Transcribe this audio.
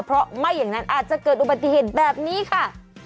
เพราะไม่อย่างนั้นอาจจะเกิดอุบัติเหตุแบบนี้ค่ะ